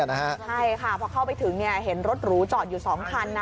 ใช่ค่ะพอเข้าไปถึงเห็นรถหรูจอดอยู่๒คันนะ